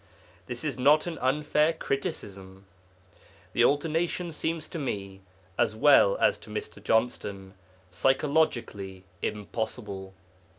This is not an unfair criticism. The alternation seems to me, as well as to Mr. Johnston, psychologically impossible.